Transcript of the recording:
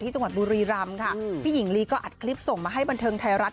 จังหวัดบุรีรำค่ะพี่หญิงลีก็อัดคลิปส่งมาให้บันเทิงไทยรัฐ